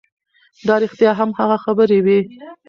دا رښتیا هم هغه خبرې وې